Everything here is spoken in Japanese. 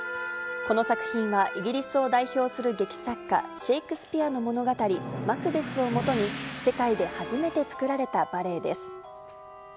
この作品は、イギリスを代表する劇作家、シェークスピアの物語、マクベスをもとに、世界で初めて作られたバレエです。